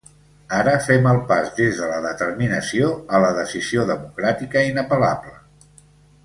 Ara fem el pas des de la determinació a la decisió democràtica inapel·lable.